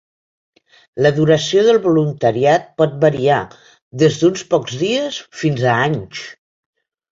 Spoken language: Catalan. La duració del voluntariat pot variar, des d'uns pocs dies fins a anys.